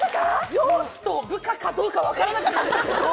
上司と部下かどうかは分からなかったですけど。